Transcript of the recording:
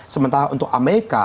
sementara untuk amerika